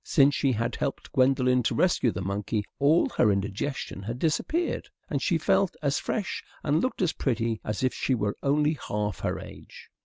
Since she had helped Gwendolen to rescue the monkey all her indigestion had disappeared; and she felt as fresh, and looked as pretty, as if she were only half her age.